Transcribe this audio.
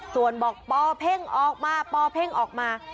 ส่วนบอกปอเพ่งออกมาปอเพ่งออกมา